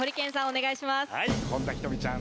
お願いします。